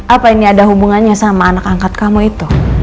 apa ini ada hubungannya sama anak angkat kamu itu